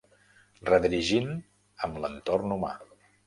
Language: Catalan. Redirigint amb l'entorn humà.